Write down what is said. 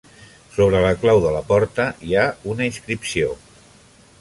Sobre la clau de la porta hi ha una inscripció.